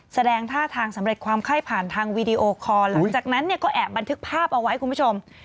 แสดงท่าทางสำเร็จความไข้ผ่านทางวีดีโอคอร์หลังจากนั้นเนี่ยก็แอบบันทึกภาพเอาไว้คุณผู้ชม